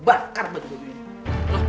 bakar beduk ini